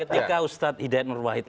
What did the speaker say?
ketika ustadz hidayat nur wahid